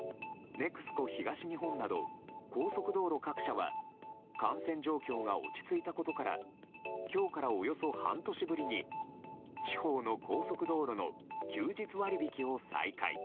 ＮＥＸＣＯ東日本など高速道路各社は感染状況が落ち着いたことから今日からおよそ半年ぶりに地方の高速道路の休日割引を再開。